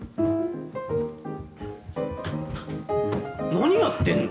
何やってんの？